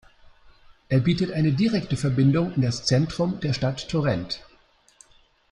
Er bietet eine direkte Verbindung in das Zentrum der Stadt Torrent.